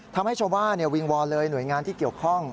ทำให้ชาวบ้านวิงวอนเลยหน่วยงานที่เกี่ยวข้อง